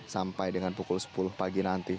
sampai dengan pukul sepuluh pagi nanti